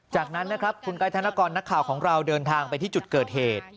จากนั้นนะครับคุณไกดธนกรนักข่าวของเราเดินทางไปที่จุดเกิดเหตุ